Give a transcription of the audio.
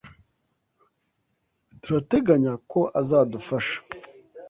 Turateganya ko azadufasha.